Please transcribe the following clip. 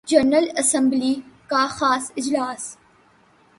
general assembly کا خاص اجلاس